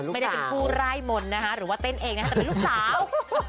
ไม่ได้เป็นผู้ร่ายมนต์นะคะหรือว่าเต้นเองนะคะแต่เป็นลูกสาว